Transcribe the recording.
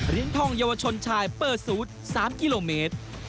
เหรียญทองเยาวชนชายเปิดสูตร๓กิโลเมตร